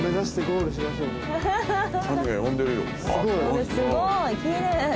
すごい！